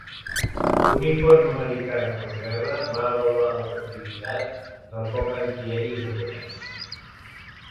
Un informe americà de postguerra va avaluar l'efectivitat del foc antiaeri japonès.